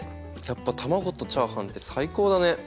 やっぱ卵とチャーハンって最高だね。